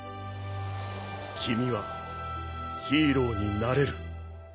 君はヒーローになれる。